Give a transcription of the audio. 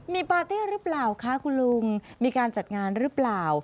มีปาร์ตี้หรือเปล่าคะคุณลุงมีการจัดงานหรือเปล่า